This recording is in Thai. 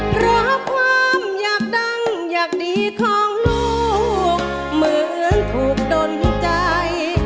เพราะความอยากดังอยากดีของลูกเหมือนถูกดนใจ